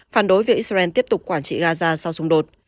phản đối việc israel tiếp tục quản trị gaza sau xung đột